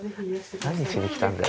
何しに来たんだよ。